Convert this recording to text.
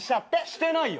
してないよ。